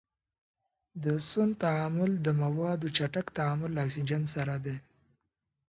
د سون تعامل د موادو چټک تعامل له اکسیجن سره دی.